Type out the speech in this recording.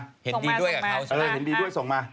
เห็นดีด้วยกับเขาส่งมา